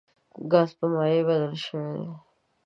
ګاز په مایع بدل شوی دی.